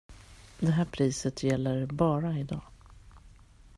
Det här priset gäller bara i dag.